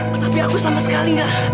tapi aku sama sekali gak